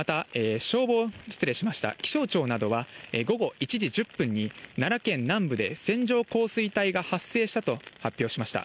また、気象庁などは、午後１時１０分に、奈良県南部で線状降水帯が発生したと発表しました。